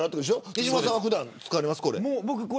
西村さんは普段使われますか。